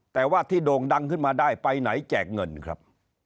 แต่ว่าที่โด่งดังขึ้นมาได้ไปไหนแจกเงินครับ